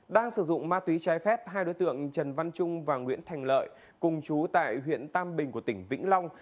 đang sử dụng ma túy trái phép hai đối tượng trần văn trung và nguyễn thành lợi cùng chú tại huyện tam bình của tỉnh vĩnh long